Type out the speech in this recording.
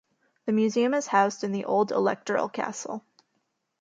The museum is housed in the old Electoral castle.